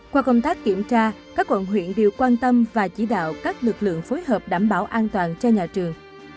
qua công tác kiểm tra các quận huyện đều quan tâm và chỉ đạo các lực lượng phối hợp đảm bảo an toàn cho nhà trường